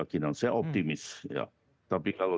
satu keyakinan saya optimis ya tapi kalau